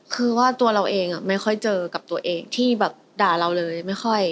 คือว่าตัวเราเองไม่ค่อยเจอกับตัวเองที่แบบด่าเราเลยไม่ค่อย